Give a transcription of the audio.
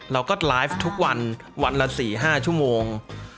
เราก็ไลฟ์ทุกวันวันละ๔๕ชั่วโมง